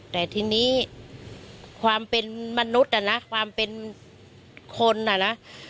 แต่ทีนี้ความเป็นมนุษย์อ่ะนะความเป็นคนอ่ะนะ